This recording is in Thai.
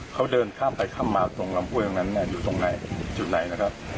เขาเดินข้ามไปข้ามมาตรงลำห้วยตรงนั้นอยู่ตรงไหนจุดไหนนะครับ